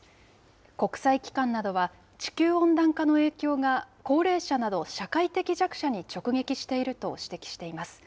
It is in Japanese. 国際機関などは、地球温暖化の影響が、高齢者など社会的弱者に直撃していると指摘しています。